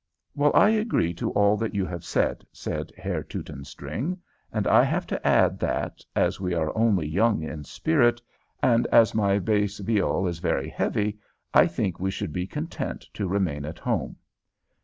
"Well, I agree to all that you have said," said Herr Teutonstring; "and I have to add that, as we are only young in spirit, and as my bass viol is very heavy, I think we should be content to remain at home."